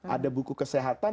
ada buku kesehatan